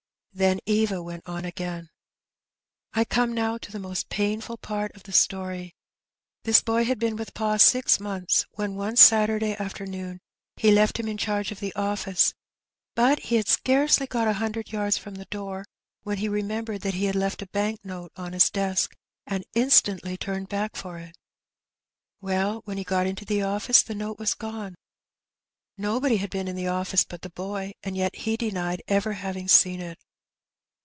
Then Eva went on again — '^I come now to the most painful part of the story. This boy had been with pa six months, when one Saturday afternoon he left him in charge of the office, but he had scarcely got a hundred yards from the door when he remembered that he had left a bank note on his desk, and instantly turned back for it. "Well, when he got into the office the note was gone. Nobody had been in the office but the boy, and yet he denied ever having seen it.